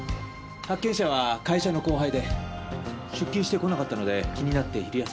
発見者は会社の後輩で出勤してこなかったので気になって昼休みに。